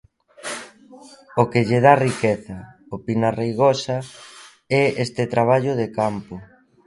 "O que lle dá riqueza", opina Reigosa, "é este traballo de campo".